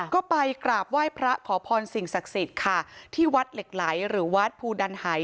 ก็ไปกราบไหว้พระขอพรสิ่งศักดิ์สิทธิ์ค่ะที่วัดเหล็กไหลหรือวัดภูดันหาย